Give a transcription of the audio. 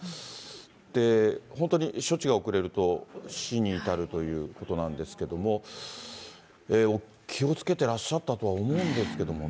で、本当に処置が遅れると死に至るということなんですけれども、気をつけてらっしゃったとは思うんですけれどもね。